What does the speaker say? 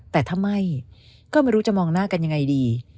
แต่ถ้าไม่ก็ไม่รู้จะมองหน้ากันยังไงดี